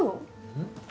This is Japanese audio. うん？